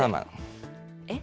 えっ？